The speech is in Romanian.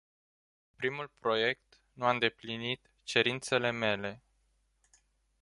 Primul proiect nu a îndeplinit cerințele mele.